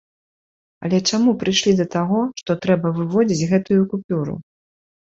Але чаму прыйшлі да таго, што трэба выводзіць гэтую купюру?